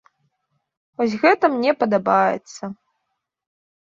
Вось гэта мне падабаецца.